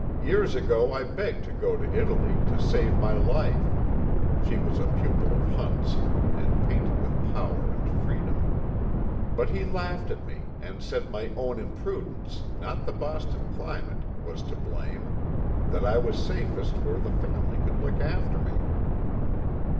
Years ago I begged to go to Italy, to save my life" (she was a pupil of Hunt's and painted with power and freedom), "but he laughed at me and said my own im prudence not the Boston climate was to blame that I was safest where the family could look after me."